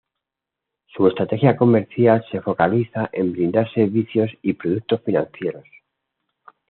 Su estrategia comercial se focaliza en brindar servicios y productos financieros.